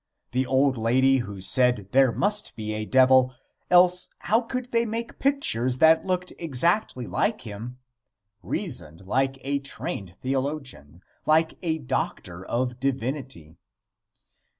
The old lady who said there must be a devil, else how could they make pictures that looked exactly like him, reasoned like a trained theologian like a doctor of divinity.